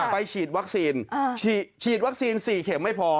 ไปฉีดวัคซีนฉีดวัคซีน๔เข็มไม่พอ